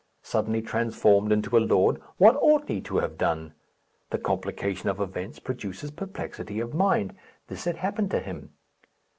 Suddenly transformed into a lord, what ought he to have done? The complication of events produces perplexity of mind. This had happened to him.